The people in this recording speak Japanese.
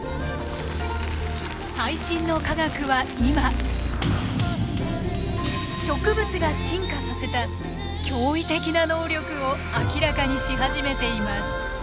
最新の科学は今植物が進化させた驚異的な能力を明らかにし始めています。